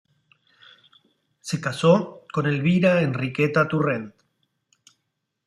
Se casó con Elvira Enriqueta Torrent.